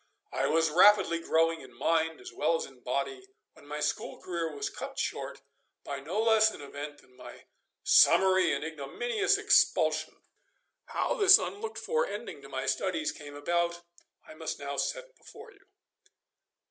I was rapidly growing in mind as well as in body, when my school career was cut short by no less an event than my summary and ignominious expulsion. How this unlooked for ending to my studies came about I must now set before you.